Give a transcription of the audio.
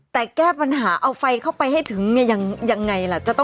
แต่แก้ปัญหาเอาไฟเข้าไปให้ถึงยังไงล่ะ